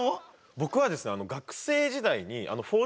僕はですね